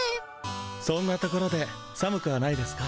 「そんな所で寒くはないですか？」。